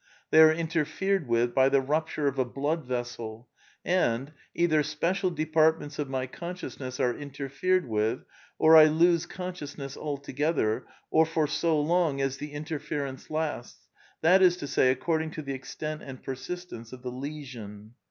They are interfered with by the rupture of a blood vessel, and, either special departments of my consciousness are inter fered with, or I lose consciousness altogether, or for so long as the interference lasts, that is to say, according to the extent and persistence of the lesion.